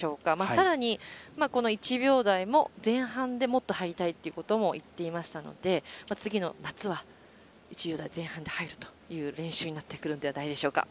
さらに、１秒台も前半でもっと入りたいということも言っていましたので次の夏は１秒台前半で入るという練習になってくるんじゃないでしょうか。